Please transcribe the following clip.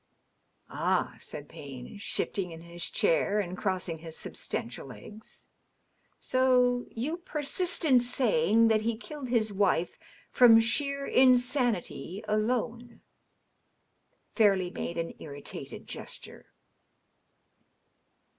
^^ Ah/' said Payne, shifting in his chair and crossing his substantial legs. ^^ So you persist in saying that he killed his wife from sheer in sanity alone ?" Fairleigh made an irritated gesture.